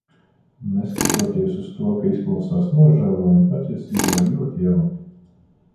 Neskatoties uz to, ka izklausās nožēlojami, patiesībā, ir ļoti jauki.